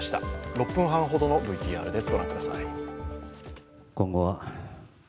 ６分半ほどのＶＴＲです。